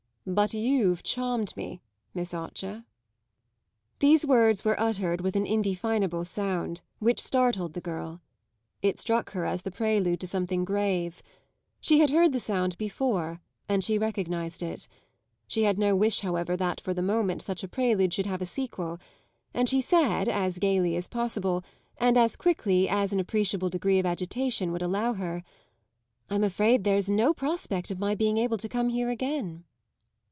"But you've charmed me, Miss Archer." These words were uttered with an indefinable sound which startled the girl; it struck her as the prelude to something grave: she had heard the sound before and she recognised it. She had no wish, however, that for the moment such a prelude should have a sequel, and she said as gaily as possible and as quickly as an appreciable degree of agitation would allow her: "I'm afraid there's no prospect of my being able to come here again."